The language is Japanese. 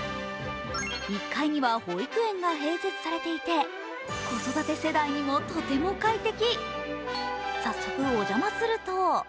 １階には保育園が併設されていて、子育て世代にもとても快適。